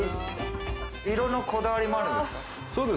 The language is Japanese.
色のこだわりもあるんですか？